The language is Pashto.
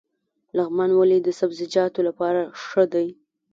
لغمان ولې د سبزیجاتو لپاره ښه دی؟